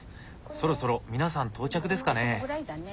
そろそろ皆さん到着ですかね？